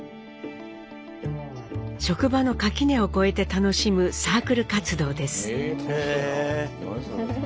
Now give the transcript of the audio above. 職場の垣根を越えて楽しむサークル活動です。